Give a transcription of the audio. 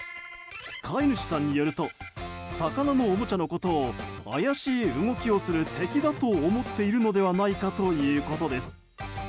飼い主さんによると魚のおもちゃのことを怪しい動きをする敵だと思っているのではないかということです。